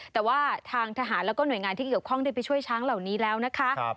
แต่ว่าทางทหารแล้วก็หน่วยงานที่เกี่ยวข้องได้ไปช่วยช้างเหล่านี้แล้วนะคะ